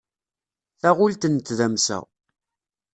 Taɣult n tdamsa.